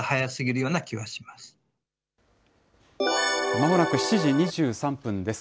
まもなく７時２３分です。